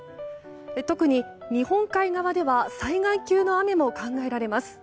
特に日本海側では災害級の雨も考えられます。